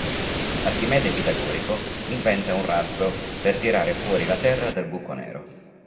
Archimede Pitagorico inventa un razzo per tirare fuori la Terra dal buco nero.